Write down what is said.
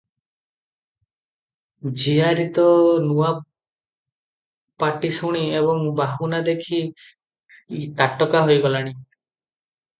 ଝିଆରୀତ ନୂଆ ପାଟି ଶୁଣି ଏବଂ ବାହୁନା ଦେଖି ତାଟକା ହୋଇଗଲାଣି ।